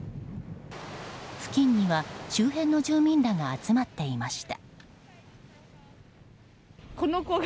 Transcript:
付近には周辺の住民らが集まっていました。